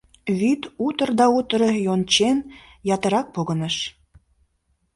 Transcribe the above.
Вӱд, утыр да утыр йончен, ятырак погыныш.